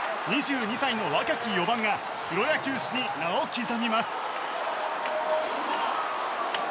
２２歳の若き４番がプロ野球史に名を刻みます。